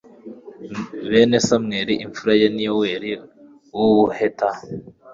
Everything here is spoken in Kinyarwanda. bene samweli imfura ye ni yoweli uw ubuheta